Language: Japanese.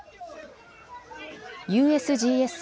ＵＳＧＳ